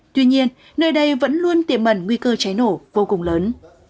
tuy nhiên nơi đây vẫn luôn tiềm mẩn nguy cơ cháy nổ vô cùng lớn